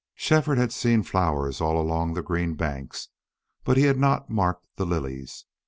Shefford had seen flowers all along the green banks, but he had not marked the lilies.